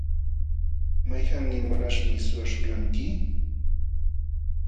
¿Mayqannin walaśhmi suwaśhulqanki?